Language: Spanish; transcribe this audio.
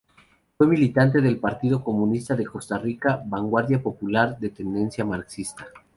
Fue militante del partido comunista de Costa Rica, Vanguardia Popular, de tendencia marxista.